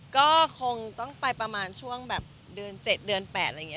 ก็คงต้องไปประมาณช่วงแบบเดือน๗เดือน๘อะไรอย่างนี้